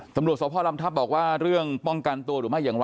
ตำรวจสพลำทัพบอกว่าเรื่องป้องกันตัวหรือไม่อย่างไร